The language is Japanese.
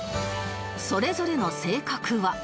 それぞれの性格は